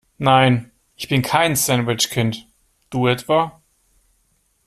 Nein, ich bin kein Sandwich-Kind. Du etwa?